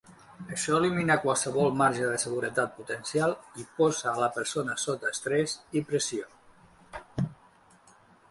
Això elimina qualsevol marge de seguretat potencial i posa a la persona sota estrès i pressió.